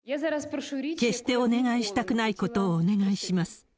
決してお願いしたくないことをお願いします。